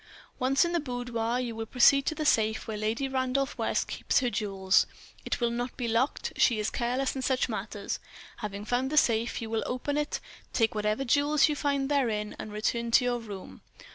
"Once in the boudoir, you will proceed to the safe where Lady Randolph West keeps her jewels. It will not be locked, she is careless in such matters. Having found the safe, you will open it, take whatever jewels you find therein, and return to your room.